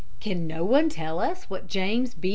Can no one tell us what James B.